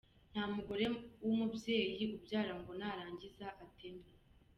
Nta mugore wu mubyeyi ubyara ngo narangiza ateme